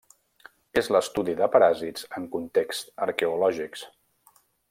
És l'estudi de paràsits en contexts arqueològics.